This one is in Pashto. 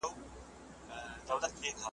اوس که اباده شي که نشي نو څه